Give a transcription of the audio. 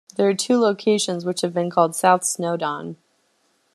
There are two locations which have been called South Snowdon.